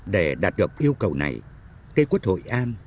để đạt được yêu cầu này cây quất hội an